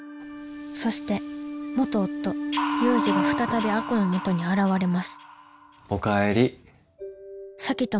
そして元夫・祐二が再び亜子のもとに現れますおかえり。